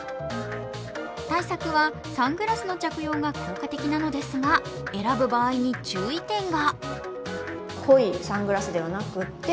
対策はサングラスの着用が効果的なのですが選ぶ場合に注意点が。